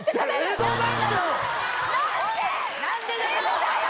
江戸だぞ！